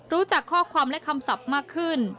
จากข้อความและคำศัพท์มากขึ้น